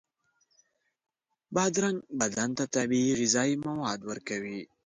بادرنګ بدن ته طبیعي غذایي مواد ورکوي.